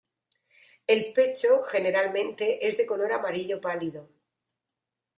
El pecho generalmente es de color amarillo pálido.